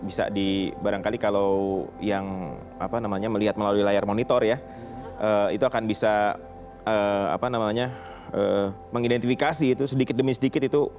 bisa di barangkali kalau yang melihat melalui layar monitor ya itu akan bisa apa namanya mengidentifikasi itu sedikit demi sedikit itu